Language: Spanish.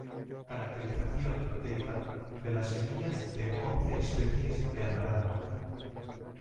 Caracterización proteica de las semillas de once especies de amaranto.